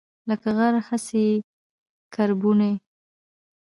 لکه غر، هغسي یې کربوڼی